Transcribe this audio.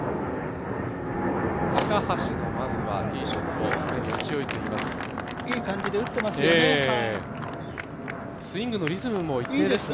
高橋がまずはティーショットを既に打ち終えています。